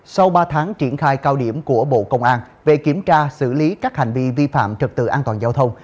sau ba tháng triển khai cao điểm của bộ công an về kiểm tra xử lý các hành vi vi phạm trật tự an toàn giao thông